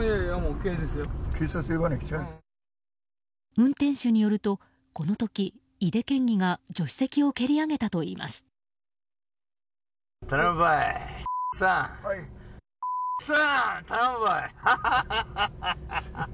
運転手によると、この時井手県議が助手席を蹴り上げたといいます。